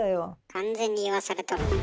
完全に言わされとるな。